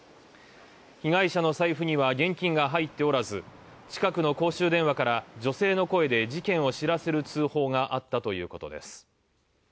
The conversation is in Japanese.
被害者の財布には現金が入っておらず、近くの公衆電話から女性の声で事件を知らせる通報があったということです。